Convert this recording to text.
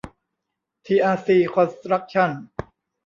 ทีอาร์ซี คอนสตรัคชั่น